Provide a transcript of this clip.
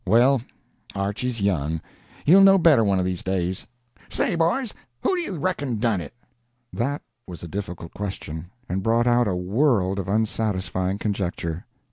Well, Archy's young. He'll know better one of these days." "Say, boys, who do you reckon done it?" That was a difficult question, and brought out a world of unsatisfying conjecture.